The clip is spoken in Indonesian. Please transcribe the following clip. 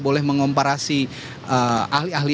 boleh mengomparasi ahli ahli